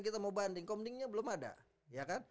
kita mau banding komdingnya belum ada